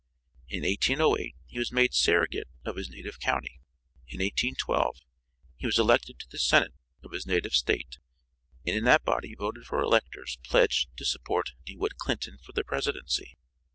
In 1808 he was made surrogate of his native county. In 1812 he was elected to the senate of his native State and in that body voted for electors pledged to support DeWitt Clinton for the presidency.